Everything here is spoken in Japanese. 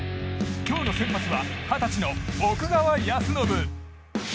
今日の先発は二十歳の奥川恭伸。